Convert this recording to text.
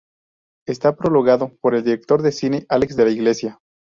Está prologado por el director de cine Alex de la Iglesia.